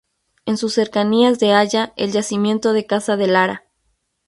En sus cercanías de halla el yacimiento de Casa de Lara.